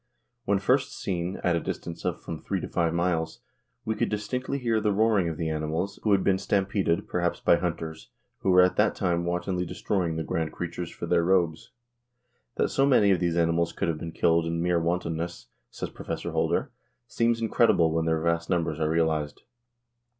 When first seen, at a distance of from three to five miles, we could distinctly hear the roaring of the animals, who had been stampeded, perhaps by hunters, who were at that time wantonly destroying the grand creatures for their robes. That so many of these animals could have been killed in mere wantonness, says Prof. Holder, seems incredible when their vast numbers are realized.